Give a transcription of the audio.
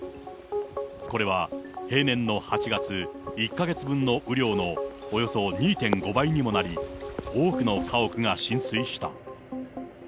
これは平年の８月１か月分の雨量のおよそ２．５倍にもなり、多くの家屋が浸水した。